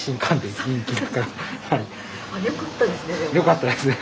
よかったですね。